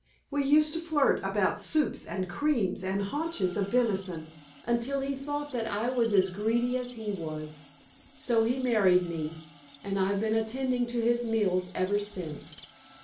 We used to flirt about soups and creams and haunches of venison, until he thought that I was as greedy as he was. So he married me, and I've been attending to his meals ever since.